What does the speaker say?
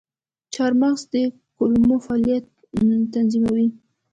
چارمغز د کولمو فعالیت تنظیموي.